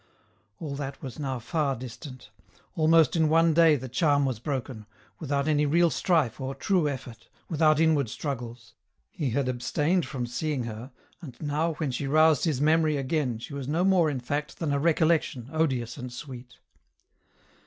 ... All that was now far distant ; almost in one day the charm was broken, without any real strife or true effort, without inward struggles ; he had abstained from seeing her, and now when she roused his memory again she was no more in fact than a recollection odious and sweet.